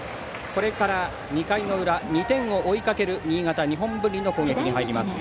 これから２回の裏２点を追いかける新潟・日本文理の攻撃に入ります。